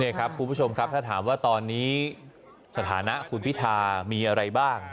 นี่ครับคุณผู้ชมครับถ้าถามว่าตอนนี้สถานะคุณพิธามีอะไรบ้าง